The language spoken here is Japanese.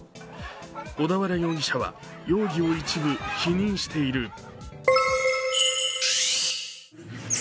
小田原容疑者は容疑を一部、否認している。